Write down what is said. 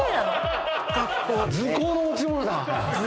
図工の持ち物だ。